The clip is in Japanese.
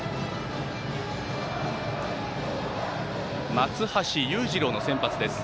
松橋裕次郎の先発です。